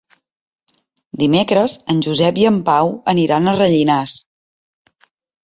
Dimecres en Josep i en Pau aniran a Rellinars.